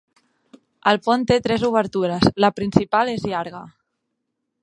El pont té tres obertures. La principal és llarga.